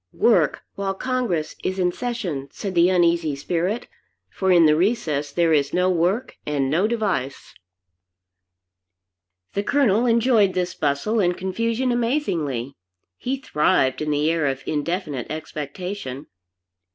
Work while Congress is in session, said the uneasy spirit, for in the recess there is no work and no device. The Colonel enjoyed this bustle and confusion amazingly; he thrived in the air of indefinite expectation.